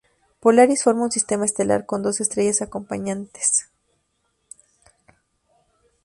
Polaris forma un sistema estelar con dos estrellas acompañantes.